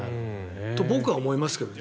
と、僕は思いますけどね。